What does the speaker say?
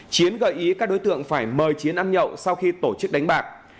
chiến gợi ý các đối tượng phải mời chiến ăn nhậu sau khi tổ chức đánh bạc